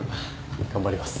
頑張ります。